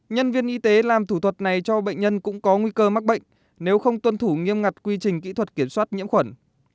nhân viên y tế làm thủ thuật này cho bệnh nhân cũng có nguy cơ mắc bệnh nếu không tuân thủ nghiêm ngặt quy trình kỹ thuật kiểm soát nhiễm khuẩn